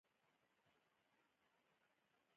هغه د یادونه پر څنډه ساکت ولاړ او فکر وکړ.